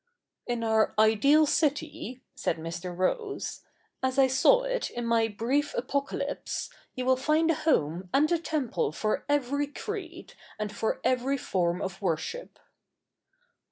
' In our ideal city,' said Mr. Rose, ' as I saw it in my brief Apocalypse, you will find a home and a temple for every creed, and for every form of worship.'